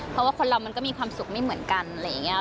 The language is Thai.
เพราะว่าคนเรามันก็มีความสุขไม่เหมือนกันอะไรอย่างนี้